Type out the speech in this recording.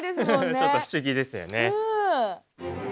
ちょっと不思議ですよね。